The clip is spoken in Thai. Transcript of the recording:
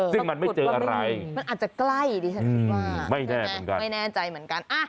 ซึ่งมันไม่เจออะไรมันอาจจะใกล้ดิฉันคิดว่าไม่แน่ใจเหมือนกัน